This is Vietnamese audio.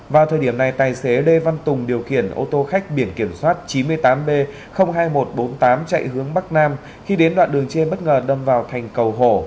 vào thời điểm này tài xế lê văn tùng điều khiển ô tô khách biển kiểm soát chín mươi tám b hai nghìn một trăm bốn mươi tám chạy hướng bắc nam khi đến đoạn đường trên bất ngờ đâm vào thành cầu hổ